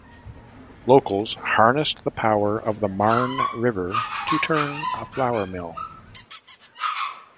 Locals harnessed the power of the Marne river to turn a flour mill.